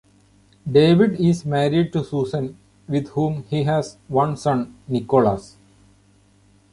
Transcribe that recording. David is married to Susan, with whom he has one son, Nicholas.